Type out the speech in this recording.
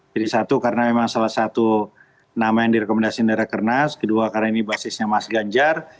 jadi satu karena memang salah satu nama yang direkomendasikan rekor nas kedua karena ini basisnya mas ganjar